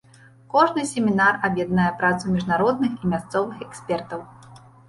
Кожны семінар аб'яднае працу міжнародных і мясцовых экспертаў.